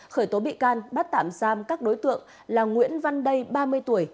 khởi tố bị can bắt tạm giam các đối tượng là nguyễn văn đây ba mươi tuổi